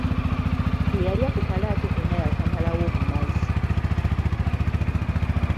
Bwe yalya ku kalo ate konna yakamalawo bumazi.